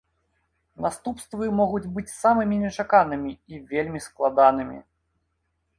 Наступствы могуць быць самымі нечаканымі і вельмі складанымі.